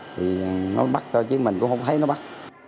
thì nó bắt thôi chứ mình cũng không thấy nó bắt